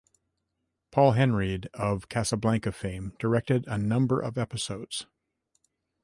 Paul Henreid, of "Casablanca" fame, directed a number of episodes.